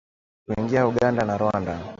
kuingia Uganda na Rwanda